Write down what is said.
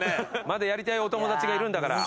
まだやりたいお友達がいるんだから。